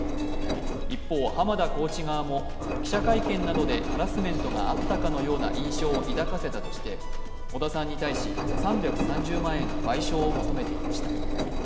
一方、濱田コーチ側も記者会見などでハラスメントがあったかのような印象を抱かせたとし、織田さんに対し、３３０万円の賠償を求めていました。